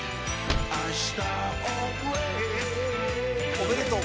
おめでとう。